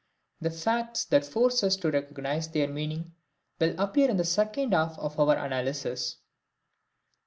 The facts that force us to recognize their meaning will appear in the second half of our analysis.